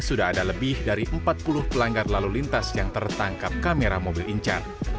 sudah ada lebih dari empat puluh pelanggar lalu lintas yang tertangkap kamera mobil incar